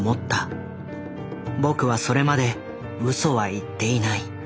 ぼくはそれまでウソは言っていない。